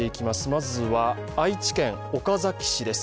まずは愛知県岡崎市です。